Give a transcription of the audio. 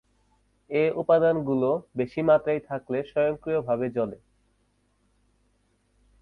এ উপাদানগুলো বেশি মাত্রায় থাকলে স্বয়ংক্রিয়ভাবে জ্বলে।